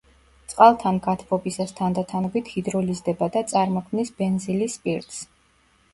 წყალთან გათბობისას თანდათანობით ჰიდროლიზდება და წარმოქმნის ბენზილის სპირტს.